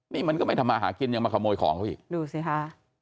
นี่มันก็ไม่ทำมาหากินยังมาขโมยของเขาอีกดูสิค่ะ